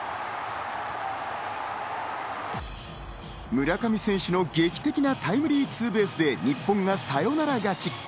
村上選手の劇的なタイムリーツーベースで日本がサヨナラ勝ち。